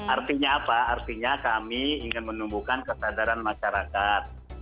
artinya apa artinya kami ingin menumbuhkan kesadaran masyarakat